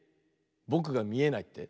ぼくがみえないって？